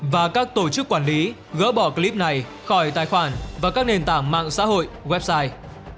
và các tổ chức quản lý gỡ bỏ clip này khỏi tài khoản và các nền tảng mạng xã hội website